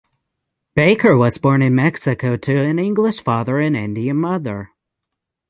Baker was born in Mexico to an English father and Indian mother.